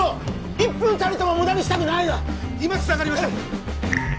１分たりとも無駄にしたくない今つながりました